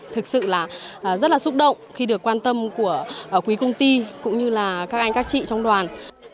thực sự là rất là xúc động khi được quan tâm của quý công ty cũng như là các anh các chị trong đoàn